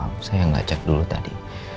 maaf saya yang ngajak dulu tadi